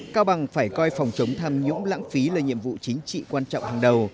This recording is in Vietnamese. cao bằng phải coi phòng chống tham nhũng lãng phí là nhiệm vụ chính trị quan trọng hàng đầu